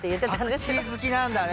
パクチー好きなんだね。